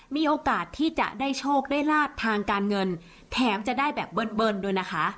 มีโอกาสที่จะได้โชคได้ลาบทางการเงินแถมจะได้แบบเบิ้ลด้วยนะคะ